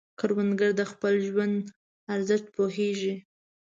کروندګر د خپل ژوند ارزښت پوهیږي